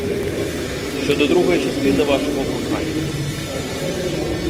Щодо другої частини вашого прохання.